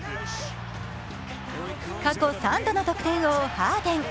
過去３度の得点王・ハーデン。